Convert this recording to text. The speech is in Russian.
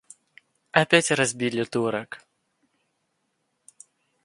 Опять разбили Турок.